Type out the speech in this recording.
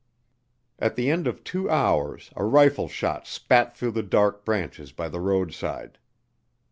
At the end of two hours, a rifle shot spat through the dark branches by the roadside.